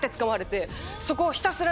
そこを。